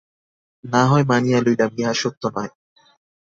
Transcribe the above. না হয়, মানিয়া লইলাম, ইহা সত্য নহে।